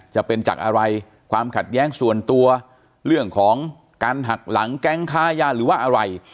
จะเป็นจากอะไรความขัดแย้งส่วนตัวเรื่องของการหักหลังแก๊งค้ายาหรือว่าอะไร